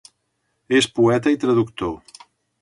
És poeta i traductor.